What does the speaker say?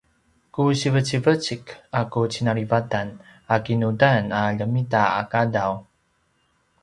ku sivecivecik a ku cinalivatan a kinudan a ljemitaqadaw